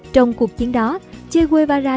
trong cuộc chiến đó che guevara